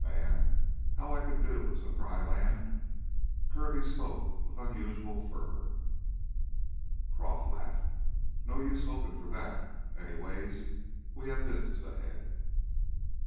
Man, how I could do with some dry land!" Kirby spoke with unusual fervor. Croff laughed. "No use hopin' for that. Anyways, we have business ahead."